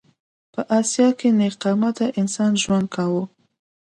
په اسیا کې نېغ قامته انسان ژوند کاوه.